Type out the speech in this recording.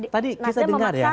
tadi kita dengar ya